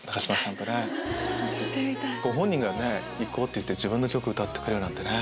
ご本人が「行こう」って言って自分の曲歌ってくれるなんてね。